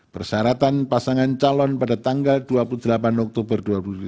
persyaratan pasangan calon pada tanggal dua puluh delapan oktober dua ribu lima belas